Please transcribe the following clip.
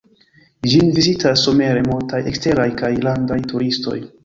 Ĝin vizitas somere multaj eksteraj kaj landaj turistoj.